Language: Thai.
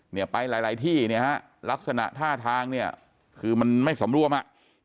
เนี่ยไปหลายหลายที่เนี่ยฮะลักษณะท่าทางเนี่ยคือมันไม่สำรวมอ่ะ